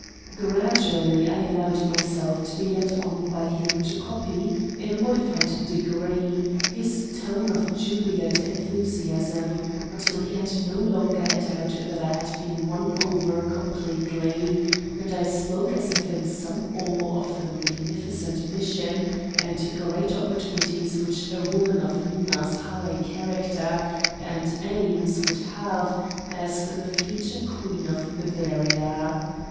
Gradually I allowed myself to be led on by him to copy, in a modified degree, his tone of jubilant enthusiasm, until he had no longer a doubt that I had been won over completely; and I spoke as if in some awe of the magnificent mission and great opportunities which a woman of Minna's high character and aims would have as the future Queen of Bavaria.